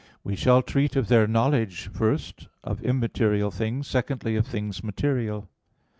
We shall treat of their knowledge, first, of immaterial things, secondly of things material.